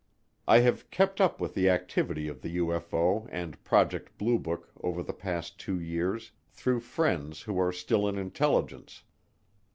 I have kept up with the activity of the UFO and Project Blue Book over the past two years through friends who are still in intelligence.